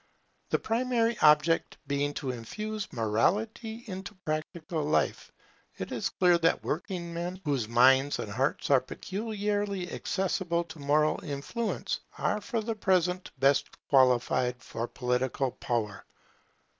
The primary object being to infuse morality into practical life, it is clear that working men, whose minds and hearts are peculiarly accessible to moral influence, are for the present best qualified for political power.